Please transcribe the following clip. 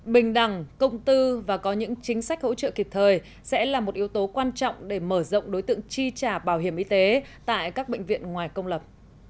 bình đẳng công tư và có những chính sách hỗ trợ kịp thời sẽ là một yếu tố quan trọng để mở rộng đối tượng chi trả bảo hiểm y tế tại các bệnh viện ngoài công lập